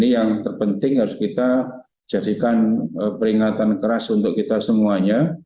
yang terpenting harus kita jadikan peringatan keras untuk kita semuanya